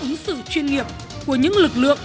ý sự chuyên nghiệp của những lực lượng